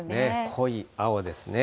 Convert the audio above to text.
濃い青ですね。